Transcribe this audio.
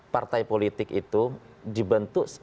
partai politik itu dibentuk seolah olah